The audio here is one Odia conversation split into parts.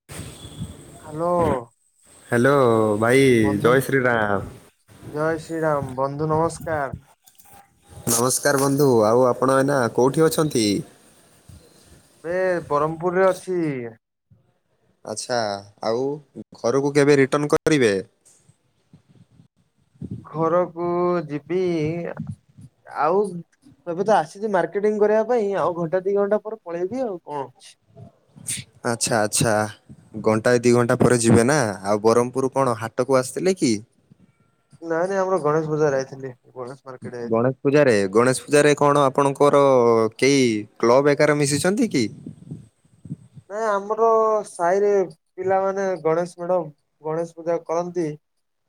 [inaudible] ହ୍ୟାଲୋ। ହ୍ୟାଲୋ, ଭାଇ ବନ୍ଧୁ ଜୟ ଶ୍ରୀ ରାମ। ଜୟ ଶ୍ରୀରାମ, ବନ୍ଧୁ ନମସ୍କାର। ନମସ୍କାର ବନ୍ଧୁ, ଆଉ ଆପଣ ଏଇନା କୋଉଠି ଅଛନ୍ତି? ଏବେ ବ୍ରହ୍ମପୁରରେ ଅଛି। ଆଚ୍ଛା, ଆଉ ଘରକୁ କେବେ ରିଟର୍ଣ୍ଣ କରିବେ? ଘରକୁ ଯିବି ଆଉ ଏବେ ତ ଆସିଛି ମାର୍କେଟିଂ କରିବା ପାଇଁ ଆଉ ଘଣ୍ଟା ଦି ଘଣ୍ଟା ପରେ ପଳେଇବି ଆଉ କଣ ଅଛି। ଆଚ୍ଛା ଆଚ୍ଛା। ଘଣ୍ଟାଏ ଦି ଘଣ୍ଟା ପରେ ଯିବେ ନା, ଆଉ ବ୍ରହ୍ମପୁର କଣ ହାଟକୁ ଆସିଥିଲେ କି? ନାଇଁ ନାଇଁ ଆମର ଗଣେଶ ପୂଜାରେ ଆଇଥିଲି। ଗଣେଶ ପୂଜାରେ ଗଣେଶ ପୂଜାରେ କଣ ଆପଣଙ୍କର କେହି କ୍ଲବ ହେକାରେ ମିଶିଛନ୍ତି କି? ନାଇଁ ଆମର ସାହିରେ ପିଲାମାନେ ଗଣେଶ ମେଢ଼ ଗଣେଶ ପୂଜା କରନ୍ତି,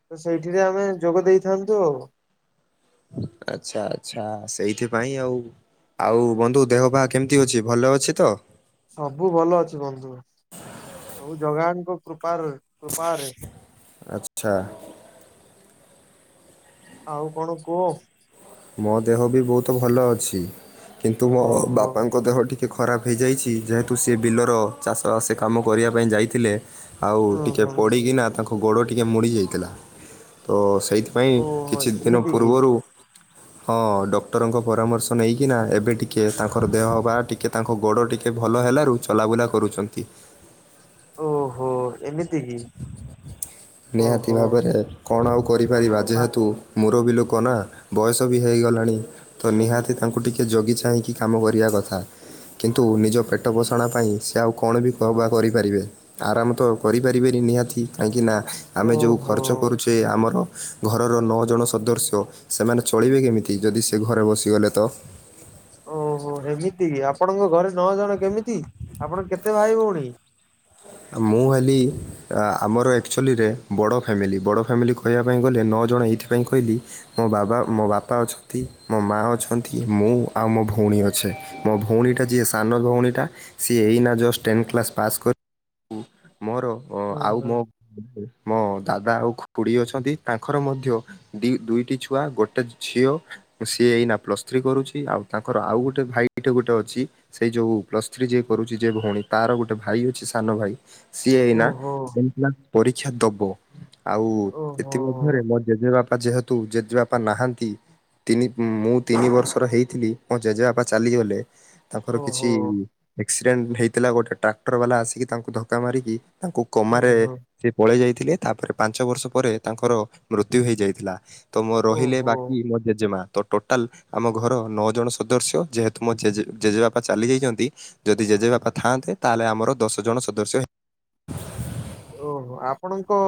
ତ ସେଇଥିରେ ଆମେ ଯୋଗ ଦେଇଥାନ୍ତୁ ଆଉ। ଆଚ୍ଛା, ଆଚ୍ଛା ସେଇଥିପାଇଁ ଆଉ। ଆଉ ବନ୍ଧୁ ଦେହ ପାହା କେମିତି ଅଛି, ଭଲ ଅଛି ତ? ସବୁ ଭଲ ଅଛି ବନ୍ଧୁ, ସବୁ ଭଗବାନଙ୍କ କୃପାରୁ କୃପାରେ। ଆଚ୍ଛା। ଆଉ କଣ କୁହ? ମୋ ଦେହ ବି ବହୁତ ଭଲ ଅଛି, କିନ୍ତୁ ମୋ ଓହୋ ବାପାଙ୍କ ଦେହ ଟି ଟିକେ ଖରାପ ହେଇଯାଇଛି, ଯେହେତୁ ସେ ବିଲର ଚାଷବାସ କାମ କରିବା ପାଇଁ ଯାଇଥିଲେ। ଆଉ ଟିକିଏ ଓହୋ। ପଡ଼ିକିନା ତାଙ୍କ ଗୋଡ଼ ଟିକେ ମୋଡି ଯାଇଥିଲା ତ ସେଇଥି ପାଇଁ ଓହୋ କିଛି ଦିନ ଏମିତି କି ପୂର୍ବରୁ ହଁ ଡକ୍ଟର୍ ଙ୍କ ପରାମର୍ଶ ନେଇକିନା ଏବେ ଟିକେ ତାଙ୍କର ଦେହ ବା ଟିକେ ତାଙ୍କ ଗୋଡ଼ ଟିକେ ଭଲ ହେଲାରୁ ଚଲାବୁଲା କରୁଛନ୍ତି। ଓହୋ! ଏମିତି କି? ନିହାତି ଓହୋ। ଭାବରେ କଣ ଆଉ କରିପାରିବା, ବାପ ଯେହେତୁ ମୁରବି ଲୋକ ନା, ବୟସ ବି ହେଇଗଲାଣି। ତ ନିହାତି ତାଙ୍କୁ ଟିକେ ଜଗି ଚାହିଁକି କାମ କରିବା କଥା। କିନ୍ତୁ ନିଜ ପେଟ ପୋଷାଣ ପାଇଁ ସେ ଆଉ କଣ ବି କ-ବା କରିପାରିବେ। ଆରାମ ତ କରିପାର ରିବେନି ନିହାତି କାହିଁକି ନା ଆମେ ଯୋଉ ଓହୋ ଖର୍ଚ୍ଚ କରୁଛେ ଆମର ଘରର ନଅ ଜଣ ସଦସ୍ୟ, ସେମାନେ ଚଳିବେ କେମିତି, ଯଦି ସେ ଘରେ ବସିଗଲେ ତ। ଓହୋ, ଏମିତି କି ଆପଣଙ୍କ ଘରେ ନଅ ଜଣ କେମିତି? ଆପଣ କେତେ ଭାଇ ଭଉଣୀ? ଆଉ ମୁଁ ହେଲି ଆ, ଆମର ଏକ୍ଚଲିରେ ବଡ଼ ଫ୍ୟାମିଲି, ବଡ଼ ଫ୍ୟାମିଲି କହିବା ପାଇଁ ଗଲେ ନଅ ଜଣ ଏଇଥିପାଇଁ କହିଲି ମୋ ବାବା ମୋ ବାପା ଅଛନ୍ତି, ମୋ ମା ଅଛନ୍ତି, ମୁଁ ଆଉ ମୋ ଭଉଣୀ ଅଛେ। ମୋ ଭଉଣୀ ଟା ଯିଏ ସାନ ଭଉଣୀ ଟା ସିଏ ଏଇନା ଜଷ୍ଟ ଟେନ୍ କ୍ଲାସ୍ ପାସ୍ କର କୁ ମୋର ଅ, ହୁଁ ଆଉ ହୁଁ ମୋ ମୋ ଦାଦା ଆଉ ଖୁଡି ଅଛନ୍ତି, ତାଙ୍କର ମଧ୍ୟ ଦି ଦୁଇଟି ଛୁଆ ଗୋଟେ ଝିଅ ସିଏ ଏଇନା ପ୍ଲସ୍ ଥ୍ରୀ କରୁଛି, ଆଉ ତାଙ୍କର ଆଉ ଗୋଟେ ଭାଇଟିଏ ଗୋଟେ ଅଛି ସେଇ ଯୋଉ ପ୍ଲସ୍ ଥ୍ରୀ ଯିଏ କରୁଚି ଯେ ଭଉଣୀ ତାର ଗୋଟେ ଭାଇ ଅଛି। ସେ ସାନ ଭାଇ ସିଏ ଏଇନା ଓହୋ ଟେନ୍ କ୍ଲାସ୍ ପରୀକ୍ଷା ଦବ। ଆଉ ଓହୋ ଏଥି ମଧ୍ଯରେ ମୋ ଜେଜେ ବାପା ଯେହେତୁ ଜେଜେବାପା ନାହାନ୍ତି। ତିନି ମୁଁ ତିନି ବର୍ଷର ହେଇଥିଲି ମୋ ଜେଜେବାପା ଚାଲିଗଲେ। ତାଙ୍କର କିଛି ଓହୋ ଏକ୍ସିରେଣ୍ଟ ହେଇଥିଲା ଗୋଟେ ଟ୍ରାକ୍ଟର୍ ବାଲା ଆସିକି ତାଙ୍କୁ ଧକ୍କା ମାରିକି ତାଙ୍କୁ କୋମାରେ ଓହୋ। ସିଏ ପଳେଇ ଯାଇଥିଲେ। ତାପରେ ପାଞ୍ଚ ବର୍ଷ ପରେ ତାଙ୍କର ମୃତ୍ୟୁ ହେଇଯାଇଥିଲା ତ ମୋ ରହିଲେ ଓହୋ ବାକି ମୋ ଜେଜେମା। ତ ଟୋଟାଲ ଆମ ଘର ନଅ ଜଣ ସଦସ୍ୟ ଯେହେତୁ ମୋ ଜେଜେ ଜେଜେବାପା ଚାଲିଯାଇଚନ୍ତି। ଯଦି ଜେଜେ ବାପା ଥାନ୍ତେ ତାହେଲେ ଆମର ଦଶ ଜଣ ସଦସ୍ୟ ହେ ଓହୋ! ଆପଣଙ୍କ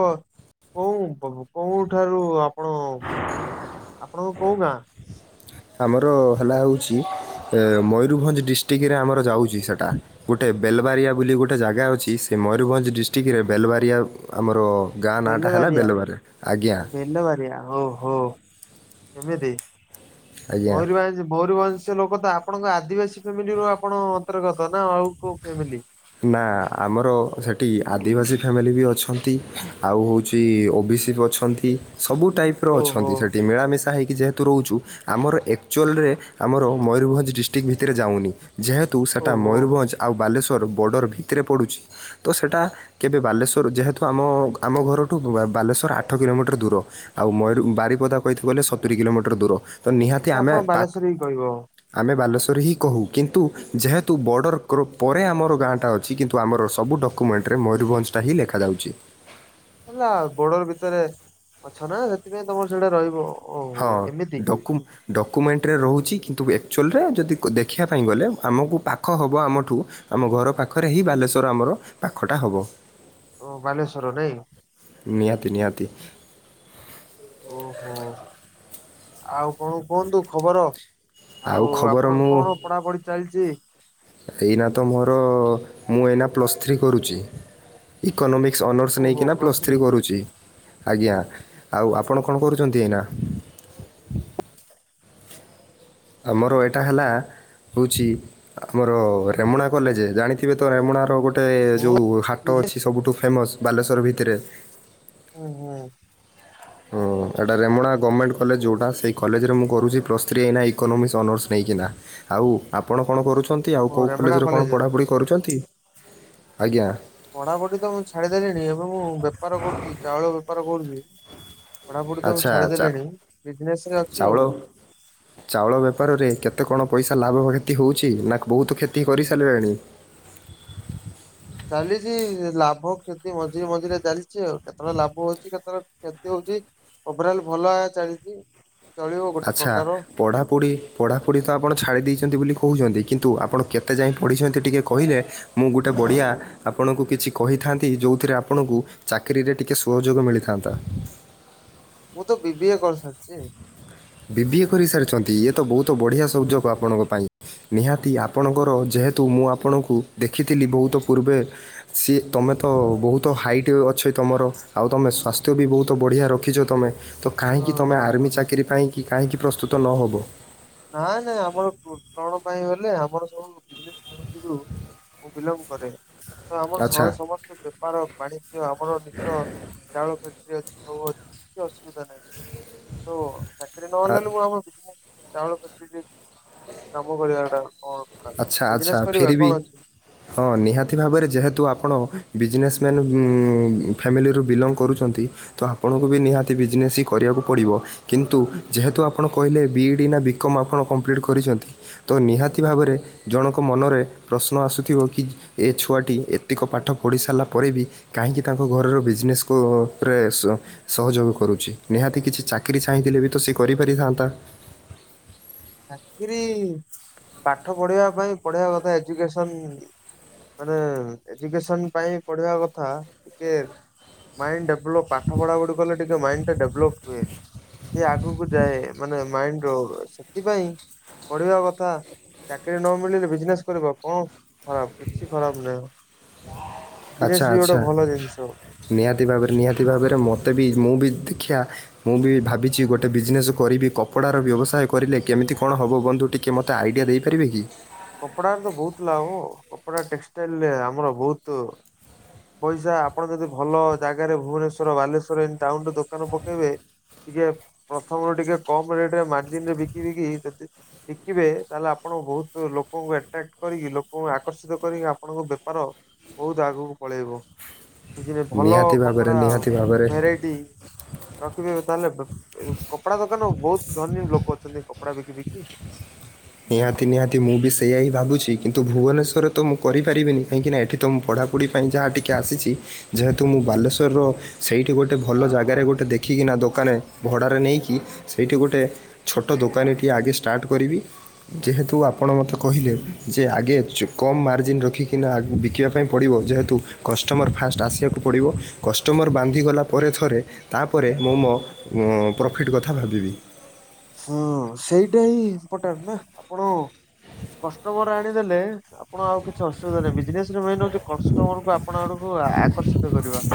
କୋଉଁ କୋହୁ କୋଉଠାରୁ ଆପଣ ଆପଣଙ୍କ କୋଉ ଗାଁ? ଆମର ହେଲା ହଉଛି ଏ ମୟୂରଭଞ୍ଜ ଡିଷ୍ଟ୍ରିକ୍ଟରେ ଆମର ଯାଉଛି ସେଟା। ଗୋଟେ ବେଲବାରିଆ ବୋଲି ଗୋଟେ ଜାଗା ଅଛି, ସେ ମୟୂରଭଞ୍ଜ ଡିଷ୍ଟ୍ରିକ୍ ଟରେ ବେଲବାରିଆ ଆମର ଗାଁ ନାଁଟା ହେଲା ବେଲବାରିଆ ବେଲବାରେ ଆଜ୍ଞା। ବେଲବାରିଆ ହଉ ହଉ ଏମିତି ଆଜ୍ଞା ମୟୂରଭଞ୍ଜ ମୟୂରଭଞ୍ଜ ସେ ଲୋକ ତ ଆପଣଙ୍କ ଆଦିବାସୀ ଫ୍ୟାମିଲି ର ଆପଣ ଅନ୍ତର୍ଗତ ନା ଆଉ କୋଉ ଫ୍ୟାମିଲି? ନା ଆମର ସେଠି ଆଦିବାସୀ ଫ୍ୟାମିଲି ବି ଅଛନ୍ତି, ଆଉ ହଉଛି ଓ ବି ସି ବି ଅଛ ଛନ୍ତି, ସବୁ ଟାଇପ୍ ର ଓହୋ ଅଛନ୍ତି ସେଠି ମିଳାମିଶା ହେଇକି ଯେହେ ତୁ ରହୁଛୁ ଆମର ଏକ୍ଚୁଲରେ ଆମର ମୟୂରଭଞ୍ଜ ଡିଷ୍ଟ୍ରିକ୍ ଭିତରେ ଯାଉନି। ଯେହେତୁ ସେଟା ଓହୋ ମୟୂରଭଞ୍ଜ ଆଉ ବାଲେଶ୍ୱର ବର୍ଡ଼ର ଭିତରେ ପଡ଼ୁଛି ତ ସେଟା କେବେ ବାଲେଶ୍ଵର ଯେହେତୁ ଆମ ଆମ ଘରଠୁ ବା-ବାଲେଶ୍ଵର ଆଠ କିଲୋମିଟର ଦୂର। ଆଉ ମୟୁରୁ ବାରିପଦା କହିଥିବ ଗଲେ ସତୁରି କିଲୋମିଟର ଦୂର ତ ନିହାତି ଆମେ ଆପଣ ପାକ୍ ବାଲେଶ୍ଵରୀ ହିଁ କହିବ ଆମେ ବାଲେଶ୍ୱର ହିଁ କହୁ କିନ୍ତୁ ଯେହେତୁ ବର୍ଡ଼ର କର ପରେ ଆମର ଗାଁଟା ଅଛି କିନ୍ତୁ ଆମର ସବୁ ଡକୁ୍ମେଣ୍ଟରେ ମୟୂରଭଞ୍ଜଟା ହିଁ ଲେଖାଯାଉଛି। ହେଲା ବୋର୍ଡ଼ର ଭିତରେ ଅଛ ନା ସେଥିପାଇଁ ତମର ସେଟା ରହିବ। ଓହୋ ହଁ ଏମିତି କି ଡକୁ ଡକୁୁମେଣ୍ଟରେ ରହୁଛି କିନ୍ତୁ ଆକ୍ଚୁଆଲରେ ଯଦି ଦେଖିବା ପାଇଁ ଗଲେ ଆମକୁ ପାଖ ହେବ ଆମଠୁ। ଆମ ଘର ପାଖରେ ହିଁ ବାଲେଶ୍ଵର ଆମର ପାଖଟା ହବ। ଓ ବାଲେଶ୍ଵର ନାଇଁ। ନିହାତି ନିହାତି। ଓହୋ ଆଉ କଣ କୁହନ୍ତୁ ଖବର। ଆଉ ଖବର ଆପଣଙ୍କ ମୁଁ କଣ ପଢାପଢି ଚାଲିଛି? ଏଇନା ତ ମୋର ମୁଁ ଏଇନା ପ୍ଲସ୍ ଥ୍ରୀ କରୁଛି। ଇକୋନୋମିକ୍ସ ଅନର୍ସ ନେଇକିନା ପ୍ଲସ୍ ଥ୍ରୀ କରୁଛି। ଆଜ୍ଞା ଆଉ ଆପଣ କଣ କରୁଚନ୍ତି ଏଇନା? ଆମର ଏଟା ହେଲା। ହଉଛି ଆମର ରେମଣା କଲେଜ ଜାଣିଥିବେ ତ ରେମଣାର ଗୋ ଗୋଟେ ମୁଁ ଯଉ ହାଟ ବିଜେ ଅଛି ସବୁଠୁ ଫେମସ୍ ବାଲେଶ୍ଵର ଭିତରେ। ହୁଁ ହୁଁ। ହଁ ଏଟା ରେମୁଣା ଗମେଣ୍ଟ କଲେଜ ଯୋଉଟା ସେଇ କଲେଜରେ ମୁଁ କରୁଛି ପ୍ ଥ୍ରୀ ଏଇନା ଇୋକୋନୋମିକ୍ସ ଅନର୍ସ ନେଇକିନା ଆଉ ଆପଣ କଣ କରୁଛନ୍ତି। ତି ଆଉ ଓ କେଉଁ ରେମେଣା କଲେଜରେ କଣ କଲେଜ ପଢ଼ାପଢ଼ି କରୁଛନ୍ତି ଆଜ୍ଞା। ପଢାପଢି ତ ମୁଁ ଛାଡିଦେଲିଣି ଏବେ ମୁ ବେପାର କରୁଛି ଚାଉଳ ବେପାର କରୁଛି। ପଢାପଢି ତ ମୁଁ ଆଚ୍ଛା ଆଚ୍ଛା ଛାଡିଦେଲିଣି ବିଜନେସରେ ଅଛି ଚାଉଳ ଆଉ। ଚାଉଳ ବେପାରରେ କେତେ କଣ ପଇସା ଲାଭ କ୍ଷତି ହେଉଛି ନା ବହୁତ କ୍ଷତି କରିସାରିଲେଣି। ଚାଲିଛି ଲାଭ କ୍ଷତି ମଝିରେ ମଝିରେ ଚାଲିଛି ଆଉ କେତେବେଳେ ଲାଭ ହଉଛି କେତେବେଳେ କ୍ଷତି ହଉଛି। ଓଭରାଲ୍ ଭଲା ଚାଲିଛି। ଚଳିବ ଗୋଟେ ଆଚ୍ଛା। ପ୍ରକାର ପଢ଼ାପଢ଼ି ପଢ଼ାପଢ଼ି ତ ଆପଣ ଛାଡ଼ି ଦେଇଛନ୍ତି ବୋଲି କହୁଛନ୍ତି କିନ୍ତୁ ଆପଣ କେତେ ଯାଏଁ ପଢ଼ିଛନ୍ତି ଟିକିଏ କହିଲେ? ମୁଁ ଗୋଟେ ବଢିଆ ଆପଣଙ୍କୁ କିଛି କହିଥାନ୍ତି ଯଉଥିରେ ଆପଣଙ୍କୁ ଚାକିରିରେ ଟିକେ ସହଯୋଗ ମିଳିଥାନ୍ତା। ମୁଁ ତ ବି ବିି ଏ କରିସାରିଛି। ବିିବିଏ କରି ସାରିଛନ୍ତି ଇଏ ତ ବହୁତ ବଢିଆ ହଁ ସଉଯୋଗ ଆପଣଙ୍କ ପାଇଁ। ନିହାତି ଆପଣଙ୍କର ଯେହେତୁ ମୁଁ ଆପଣଙ୍କୁ ଦେଖିଥିଲି ବହୁତ ପୂର୍ବେ। ସିଏ ତୁମେ ତ ବହୁତ ହାଇଟ୍ ଅଛି ତମର ଆଉ ତମେ ସ୍ୱାସ୍ଥ୍ୟ ବି ବହୁତ ବଢ଼ିଆ ରଖ ରଖିଛ ତମେ ତ ହଁ ହଁ ହଁ। ପାଇଁକି କାହିଁକି ପ୍ରସ୍ତୁତ ନହବ। ନାଇ ନାଇ ଆମର କଣ ପାଇଁ କହିଲେ ଆମର ସବୁ [unintelligible] ବିଲଙ୍ଗ କରେ ତ ଆମର ଆଚ୍ଛା ସହରେ ସମ ବେପାର ବାଣିଜ୍ୟ ଆମର ନିଜର ଚାଉଳ ଫ୍ୟାକ୍ଟ୍ରି ଅଛି ସବୁ ଅଛି କିଛି ଅସୁବିଧା ନାହିଁ। ତ ଚାକରି ନ ଆ- ହେଲେ [unintelligible] ଚାଉଳ ଫ୍ୟାକ୍ଟ୍ରି ଦେ କାମ କରିବା ଟା। କଣ ଖରାପ ଆଚ୍ଛା ବିଜନେସ ଆଚ୍ଛା ଫିରବି। ହଁ ନିହାତି ଭାବରେ ଯେହେତୁ ଆପଣ ବିଜନେସମ୍ୟାନ୍ ଫ୍ୟାମିଲିରୁ ବିଲଙ୍ଗ କରୁଛନ୍ତି। ତ ଆପଣଙ୍କୁ ବି ନିହାତି ବିଜନେସ ହି କରିବାକୁ ପଡିବ। କିନ୍ତୁ ଯେହେତୁ ଆପଣ କହିଲେ ବିଇ ଡ଼ି ନା ବିକମ୍ ଆପଣ କମ୍ପ୍ଲିଟ୍ କରିଛନ୍ତି। ତ ନିହାତି ଭାବରେ ଜଣଙ୍କ ମନରେ ପ୍ରଶ୍ନ ଆସୁଥିବ କି ଏ ଛୁଆଟି ଏତିକ ପାଠ ପଢ଼ି ସାରିଲା ପରେ ବି କାହିଁକି ତାଙ୍କ ଘରର ବିଜନେସକୁ ପ୍ରେ ସ ସହଯୋଗ କରୁଛି ନିହାତି କିଛି ଚାକିରି ଚାହିଁଥିଲେ ବି ତ ସେ କରିପାରିଥାନ୍ତା। ଚାକିରି ପାଠ ପଢିବା ପାଇଁ ପଢେଇବା କଥା ଏଜୁକସନ ମାନେ ଏଜୁକସନ ପାଇଁ ପଢିବା କଥା ଟିକେ ମାଇଣ୍ଡ ଡେଭଲପ ପାଠ ପଢାପଢ଼ି ଗଲେ ଟିକେ ମାଇଣ୍ଡଟା ଡେଭଲପ୍ ହୁଏ। ସେ ଆଗକୁ ଯାଏ ମାନେ ମାଇଣ୍ଡ ର ସେଥିପାଇଁ ପଢିବା କଥା। ଚାକିରି ନ ମିଳିଲେ ବିଜନେସ କର କଣ ଖରାପ କିଛି ଖରାପ ନାହିଁ। ଆଚ୍ଛା ବିଜିନେସ ବି ଗୋଟେ ଆଚ୍ଛା ଭଲ ଜିନିଷ। ନିହାତି ଭାବରେ ନିହାତି ଭାବରେ ମୋତେ ବି ମୁଁ ବି ଦେଖିବା ମୁଁ ବି ଭାବିଛି ଗୋଟେ ବିଜନେସ୍ କରିବି କପଡ଼ାର ବ୍ୟବସାୟ କରିଲେ କେମିତି କଣ ହବ ବନ୍ଧୁ ଟିକ କେ ମୋତେ ଆଇଡ଼ିଆ ଦେଇପାରିବେ କି? କପଡାରା ରେ ତ ବହୁତ ଲାଭ କପଡା ଟେକ୍ସଟାଇଲ ଆମର ବହୁତ ପଇସା ଆପଣ ଯଦି ଭଲ ଜାଗାରେ ଭୁବନେଶ୍ଵର ବାଲେଶ୍ଵର ଏ ଟାଉନରେ ଦୋକାନ ପକେଇବେ ଟିକେ ପ୍ରଥମରୁ ଟିକେ କମ ରେଟରେ ମାର୍ଜିିନରେ ବିକି ଵିକି [unintelligible] ବିକିବେ ତାହେଲେ ଆପଣ ବହୁତ ଲୋକଙ୍କୁ ଆଟ୍ରାକ୍ଟ କରିକି ଲୋକଙ୍କୁ ଆକର୍ଷିତ କରିକି ଆପଣଙ୍କ ବେପାର ବହୁତ ଆଗକୁ ପଳେଇବ କି ଭଲ ନିହାତି ଭାବରେ କପଡା ନିହାତି ଭାବରେ ଭେରାଇଟି ରଖିବେ ତାହେଲେ [unintelligible] କପଡା ଦୋକାନ ଆଉ ବହୁତ ଧନୀ ଲୋକ ଅଛନ୍ତି କପଡା ବିକି ବିକି ନିହାତି ନିହାତି ମୁଁ ବି ସେଇଆ ହିଁ ଭାବୁଛି କିନ୍ତୁ ଭୁବନେଶ୍ୱର ତ ମୁଁ କରିପାରିବିନି କାହିଁକିନା ଏଠି ତ ମୁଁ ପଢ଼ାପଢ଼ି ପାଇଁ ଯାହା ଟିକିଏ ଆସିଛି ଯେହେତୁ ମୁଁ ବାଲେଶ୍ୱରର ସେଇଠି ଗୋଟେ ଭଲ ଜାଗାରେ ଗୋଟେ ଦେଖିକିନା ଦୋକାନ ଭଡ଼ାରେ ନେଇକି ସେଇଠି ଗୋଟେ ଛୋଟ ଦୋକାନ ଟିିଏ ଆଗେ ଷ୍ଟାର୍ଟ କରିବି। ଯେହେତୁ ଆପଣ ମତେ କହିଲେ ଯେ ଆଗେ କମ୍ ମାର୍ଜିନ୍ ରଖିକିନା ବିକିବା ପାଇଁ ପଡ଼ିବ ଯେହେତୁ କଷ୍ଟମର୍ ଫାଷ୍ଟ ଆସିବାକୁ ପଡ଼ିବ କଷ୍ଟମର ବାନ୍ଧିଗଲା ପରେ ଥରେ ତାପରେ ମୁଁ ମୋ ଉଁ ପ୍ରଫିଟ୍ କଥା ଭାବିବି। ହଁ ସେଇଟା ହିଁ ଇମ୍ପୋର୍ଟାଣ୍ଟ ନା ଆପଣ କଷ୍ଟମର ଆଣିଦେଲେ। ଆପଣ ଆଉ କିଛି ଅସୁବିଧା ନାହିଁ ବିଜନେସ ରେ ମନ୍ ହଉଛି କଷ୍ଟମର କୁ ଆପଣ ଆଡକୁ ଆକର୍ଷିତ କରିବା।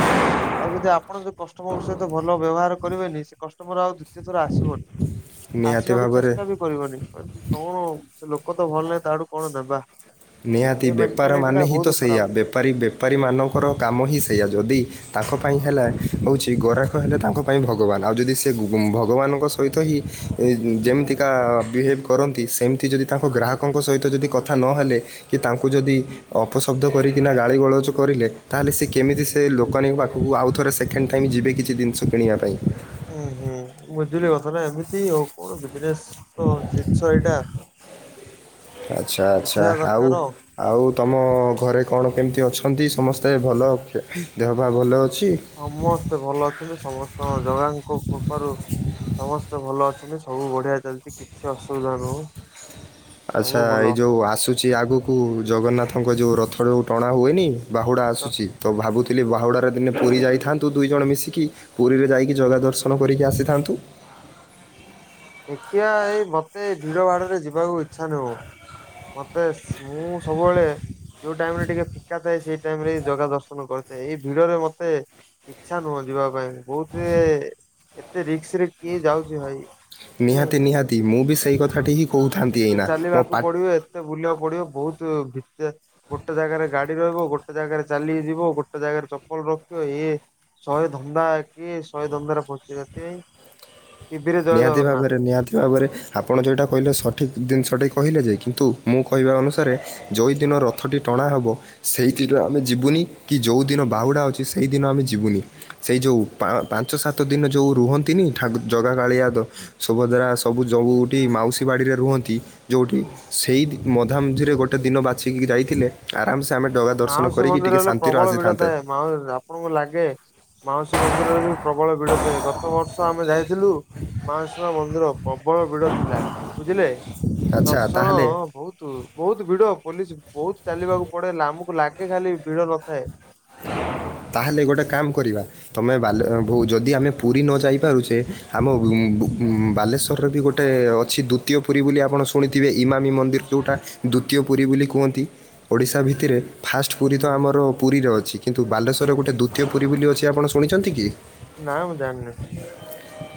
ଆଉ ଯଦି ଆପଣ ଯୋଉ କଷ୍ଟମରଙ୍କ ସହିତ ଭଲ ବ୍ୟବହାର କରିବେନି ସେ କଷ୍ଟମର ଆଉ ଦ୍ୱିତୀୟ ଥର ଆସିବନି। ହୁଁ ଆସିବାକୁ ଚେଷ୍ଟା ବି କରିବନି କଣ ସେ ଲୋକ ତ ଭଲ ନାହିଁ ତାଠୁ କଣ ଦେବା ନିହାତି ବେପାର ମାନେ ହିଁ ତ ସେଇଆ ଖରାପ। ବେପାରୀ ବେପାରୀମାନଙ୍କର କାମ ହିଁ ସେଇଆ ଯଦି ତାଙ୍କ ପାଇଁ ହେଲା ହଉଛି ଗରାଖ ହେଲେ ତାଙ୍କ ପାଇଁ ଭଗବାନ ଆଉ ଯଦି ସେ ଭଗବାନଙ୍କ ସହିତ ହିଁ ଏ ଯେମିତିକା ବିହେଭ୍ କରନ୍ତି ସେମିତି ଯଦି ତାଙ୍କ ଗ୍ରାହକଙ୍କ ସହିତ ଯଦି କଥା ନହେଲେ କି ତାଙ୍କୁ ଯଦି ଅପଶବ୍ଦ କରିକିନା ଗାଳି ଗୋଳଜ କରିଲେ ତାହେଲେ ସି କେମିତି ସେ ଲୋକାନୀଙ୍କ ପାଖକୁ ଆଉ ଥରେ ସେ କେଣ୍ଡ ଟାଇମ ଯିବେ କିଛି ଜିନିଷ କିଣିବା ପାଇଁ ହୁଁ ହୁଁ ବୁଝିଲି କଥା ନା ଏମିତି ଆଉ କଣ ବିଜନେସ ତ ଜିନିଷ ଏଇଟା ଆଚ୍ଛା ଆଚ୍ଛା ବୁଝିବା ଆଉ ଦରକାର ଆଉ ତମ ଘରେ କଣ କେମିତି ଅଛନ୍ତି ସମସ୍ତେ ଭଲ ଦେହପା ଭଲ ଅଛି? ସମସ୍ତେ ଭଲ ଅଛନ୍ତି ସମସ୍ତଙ୍କ ଜଗାଙ୍କ କୃପାରୁ ସମସ୍ତେ ଭଲ ଅଛନ୍ତି ସବୁ ବଢିଆ ଚାଲିଛି କିଛି ଅସୁବିଧା ନୁହୁଁ। ଆଚ୍ଛା ଏଇ ଯେଉଁ ଆସୁଛି ଆଗକୁ ଜଗନ୍ନାଥଙ୍କ ଯେଉଁ ରଥ ଟଣା ଯେଉଁ ଟଣା ହୁଏନି। ବାହୁଡ଼ା ଆସୁଛି ତ ଭାବୁ ଥିଲି ବାହୁଡ଼ାରେ ଦିନେ ପୁରୀ ଯାଇଥାନ୍ତୁ ଦୁଇ ଜଣ ମିଶିକି ପୁରୀରେ ଯାଇକି ଜାଗା ଦର୍ଶନ କରିକି ଆସିଥାନ୍ତୁ। ଦେଖିଆ ଏଇ ମତେ ଭିଡ ଭାଡରେ ଯିବାକୁ ଇଚ୍ଛା ନୁହଁ। ମତେ ମୁଁ ସବୁ ବେଳେ ଯୋଉ ଟାଇମ ରେ ଟିକେ ଫାଙ୍କା ଥାଏ ସେଇ ଟାଇମ ରେ ଜଗା ଦର୍ଶନ କରିଥାଏ। ଏଇ ଭିଡ଼ ରେ ମୋତେ ଇଚ୍ଛା ନୁହଁ ଯିବା ପାଇଁ। ବହୁତ ହିଁ ଏତେ ରିକ୍ସ ରେ କିଏ ଯାଉଛି ଭାଇ। ସେଥିପାଇଁ ନିହାତି ନିହାତି ମୁଁ ବି ସେଇ କଥାଟି ହିଁ କହୁଥାନ୍ତି ଏତେ ଏଇନା। ମୋ ଚାଲିବାକୁ ପାଟି ପଡିବ ଏତେ ବୁଲିବାକୁ ପଡ଼ିବ। ବହୁତ ଭିତ ଗୋଟେ ଜାଗାରେ ଗାଡି ରହିବ, ଗୋଟେ ଜାଗାରେ ଚାଲିକି ଯିବ, ଗୋଟେ ଜାଗାରେ ଚପଲ ରଖିବ ଇଏ ଶହେ ଧନ୍ଦା କିଏ ଶହେ ଧନ୍ଦା ପଶୁଛି ସେଥିପାଇଁ ଟିଭିରେ ଜୟ ନିହାତି ଭାବରେ ଜଗନ୍ନାଥ। ନିହାତି ଭାବରେ ଆପଣ ଯେଉଁଟା କହିଲେ ସଠିକ୍ ଜିନିଷ ଟେ କହିଲେ ଯେ, କିନ୍ତୁ ମୁଁ କହିବା ଅନୁସାରେ ଯେଉଁଦିନ ରଥଟି ଟଣା ହେବ ସେଇଦିନ ଆମେ ଯିବୁନି କି ଯୋଉ ଦିନ ବାହୁଡା଼ ଅଛି ସେଇଦିନ ଆମେ ଯିବୁନି। ସେଇ ଯୋଉ ପାଞ୍ଚ ସାତ ଦିନ ଯଉ ରୁହନ୍ତିନି ଠାକୁ ଜଗା କାଳିଆ, ସୁଭଦ୍ରା ସବୁ ଜଉଠି ମାଉସୀ ବାଡ଼ିରେ ରୁହନ୍ତି ଯେଉଁଠି। ସେଇ ମଧାମଝିରେ ଗୋଟେ ଦିନ ବାଛିକି ଯାଇଥିଲେ ଆରାମସେ ଆମେ ଜଗା ଦର୍ଶନ କରିକି ଟିକେ ଶାନ୍ତିରୁ ଆସିଥାନ୍ତେ। ହଁ ଆପଣଙ୍କୁ ଲାଗେ ମାଉସୀ ମନ୍ଦିରରେ ବି ପ୍ରବଳ ଭିଡ଼ ଥାଏ। ଗତ ବର୍ଷ ଆମେ ଯାଇଥିଲୁ ମହାସନା ମନ୍ଦିର ପ୍ରବଳ ଭିଡ ଥିଲା ବୁଝିଲେ। ଆଚ୍ଛା ଦର୍ଶନ ତାହେଲେ ବହୁତ ବହୁତ ଭିଡ଼ ପୋଲିସ ବହୁତ ଚାଲିବାକୁ ପଡ଼େ ଲା ଆମକୁ ଲାଗେ ଖାଲି ଭିଡ଼ ନଥାଏ। ତାହେଲେ ଗୋଟେ କାମ କରିବା। ତୁମେ ବ ଯଦି ଆମେ ପୁରୀ ନ ଯାଇ ପାରୁଛେ ଆମ ବାଲେଶ୍ଵରରେ ବି ଗୋଟେ ଅଛି ଦ୍ୱତୀୟ ପୁରୀ ବୋଲି ଆପଣ ଶୁଣିଥିବେ ଇମାମୀ ମନ୍ଦିର ଯେଉଁଟା ଦ୍ୱତୀୟ ପୁରୀ ବୋଲି କୁହନ୍ତି। ଓଡ଼ିଶା ଭିତରେ ଫାଷ୍ଟ ପୁରୀ ତ ଆମର ପୁରୀରେ ଅଛି। କିନ୍ତୁ ବାଲେଶ୍ୱର ଦ୍ଵିତୀୟ ପୁରୀ ବୋଲି ଅଛି ଆପଣ ଶୁଣିଛନ୍ତି କି? ନାଁ ମୁଁ ଜାଣିନି।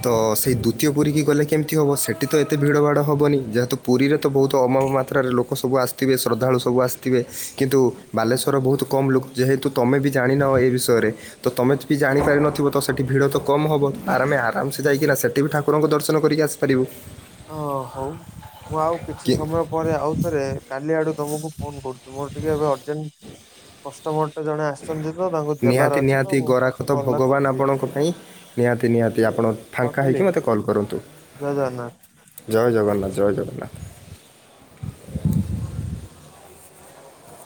ତ ସେଇ ଦ୍ଵିତୀୟ ପୁରୀ କି ଗଲେ କେମିତି ହବ? ସେଠି ତ ଏତେ ଭିଡ଼ ଭାଡ଼ ହବନି। ଯେହେତୁ ପୁରୀରେ ତ ବହୁତ ଅମବ ମାତ୍ରାରେ ଲୋକ ସବୁ ଆସିଥିବେ, ଶ୍ରଦ୍ଧାଳୁ ସବୁ ଆସିଥିବେ। କିନ୍ତୁ ବାଲେଶ୍ୱର ବହୁତ କମ୍ ଲୋକ ଯେହେତୁ ତମେ ବି ଜା ଜାଣିନ ଏ ବିଷୟରେ। ତ ତମେ ବି ଜାଣି ପାରିନଥିବ ତ ସେଠି ଭିଡ଼ ତ କମ ହବ। ଆରେ ଆରାମ ସେ ଯାଇକିନା ସେଠି ବି ଠାକୁରଙ୍କୁ ଦର୍ଶନ କରିକ ଆସି ପାରିବୁ। ଓଃ ହଉ। ମୁଁ ଆଉ କିଛି କି ସମୟ ପରେ ଆଉ ଥରେ କାଲି ଆଡ଼ ତମକୁ ଫୋନ କରୁଛି। ମୋର ଟିକେ ଏବେ ଅର୍ଜେଣ୍ଟ କଷ୍ଟମର ଟେ ଜଣେ ଆସିଛନ୍ତି ତ ତାଙ୍କୁ ଦେବାର ନିହାତି ଅଛି ତ ନିହାତି ମୁଁ ପଛେ ଗରାଖ ତ କଲଟା ଭଗବାନ କରୁଛି ଆପଣଙ୍କ ପାଇଁ। ନିହାତି ନିହାତି ଆପଣ ଫାଙ୍କା ରଖିଲି। ହେଇକି ମୋତେ କଲ୍ କରନ୍ତୁ। ଜୟ ଜଗନ୍ନାଥ। ଜୟ ଜଗନ୍ନାଥ ଜୟ ଜଗନ୍ନାଥ।